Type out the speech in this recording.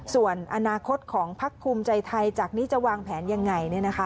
ส่วนอนาคตของพักภูมิใจไทยจากนี้จะวางแผนยังไง